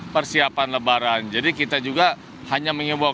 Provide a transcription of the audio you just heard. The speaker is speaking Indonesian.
persiapan lebaran jadi kita juga hanya mengimbau